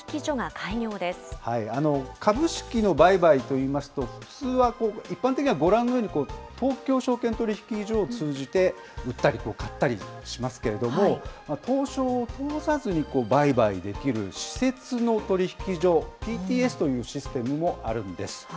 株式の売買といいますと、普通は、一般的には、ご覧のように東京証券取引所を通じて、売ったり、買ったりしますけども、東証を通さずに売買できる私設の取引所・ＰＴＳというシステムもあるんです。